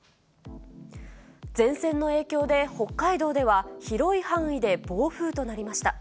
前線の影響で、北海道では広い範囲で暴風となりました。